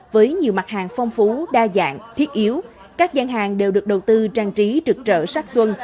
với nhiều mặt hàng phong phú đa dạng thiết yếu các gian hàng đều được đầu tư trang trí trực trở sắc xuân